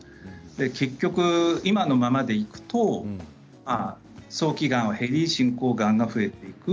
結局、今のままでいくと早期がんは減り進行がんが増えていく。